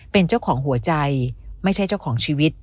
เป็นเจ้าของหัวใจไม่ใช่เจ้าของชีวิต